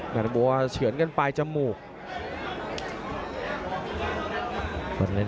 แต่กล้องเชียงกันปลายจมูก